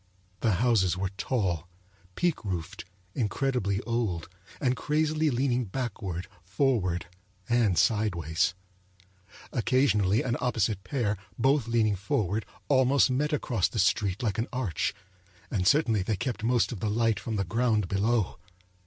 The houses were tall, peaked roofed, incredibly old, and crazily leaning backward, forward, and sidewise. Occasionally an opposite pair, both leaning forward, almost met across the street like an arch; and certainly they kept most of the light from the ground below.